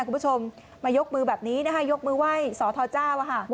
คุณผู้ชมมายกมือแบบนี้นะคะยกมือไหว้สอทอเจ้า